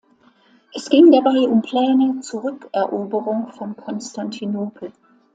Es ging dabei um Pläne zur Rückeroberung von Konstantinopel.